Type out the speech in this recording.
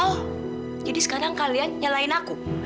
oh jadi sekarang kalian nyalain aku